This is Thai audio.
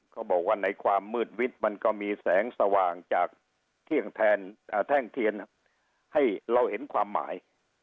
เขาบอกว่าในความมืดวิทย์มันก็มีแสงสว่างจากเที่ยงแทนแท่งเทียนให้เราเห็นความหมาย